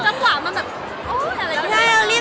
อเรนนี่มันนะคะคือการเลิกเซลทัพ